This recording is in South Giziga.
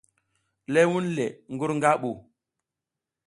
Le wunle ngi ru nga ɓu.